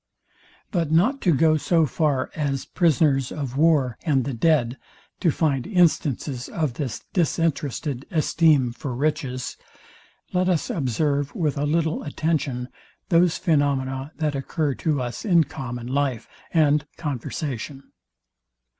But not to go so far as prisoners of war and the dead to find instances of this disinterested esteem for riches, let us observe with a little attention those phaenomena that occur to us in common life and conversation.